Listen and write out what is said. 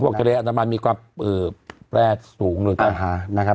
เพราะว่าอันตรายอาณาบาลมีความแพร่สูงเลยครับ